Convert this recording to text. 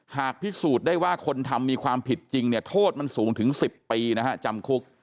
หากพิสูจน์ได้ว่าคนทำมีความผิดจริงเนี่ยโทษมันสูงถึง๑๐ปีนะฮะจำคุก